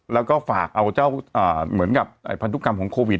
แล้วก็ฝากเอาเจ้าเหมือนกับพันธุกรรมของโควิด